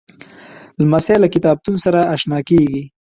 لمسی له کتابتون سره اشنا کېږي.